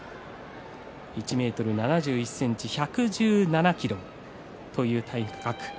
１ｍ７１ｃｍ１１７ｋｇという体格。